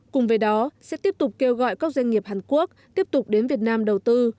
cùng với đó sẽ tiếp tục kêu gọi các doanh nghiệp hàn quốc tiếp tục đến việt nam đầu tư